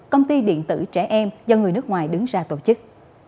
công ty điện tử trẻ em do người nước ngoài đứng ra tổ chức